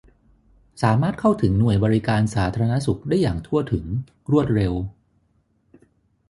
สามารถเข้าถึงหน่วยบริการสาธารณสุขได้อย่างทั่วถึง รวดเร็ว